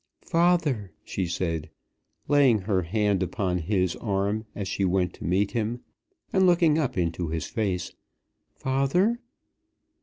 "Father," she said, laying her hand upon his arm as she went to meet him, and looking up into his face; "father?"